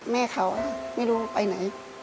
แม่เขาไม่รู้ไปไหน